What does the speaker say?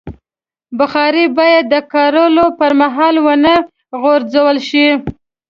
بخاري باید د کارولو پر مهال ونه غورځول شي.